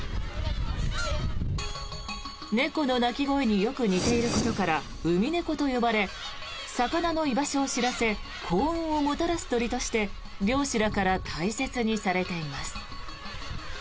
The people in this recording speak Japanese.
猫の鳴き声によく似ていることからウミネコと呼ばれ魚の居場所を知らせ幸運をもたらす鳥として漁師らから大切にされています。